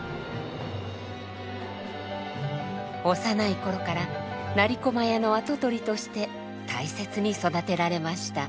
幼い頃から成駒屋の跡取りとして大切に育てられました。